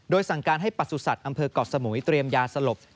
สั่งการให้ประสุทธิ์อำเภอกเกาะสมุยเตรียมยาสลบ